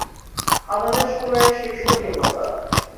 আমাদের সময়ের শীর্ষ নির্মাতা।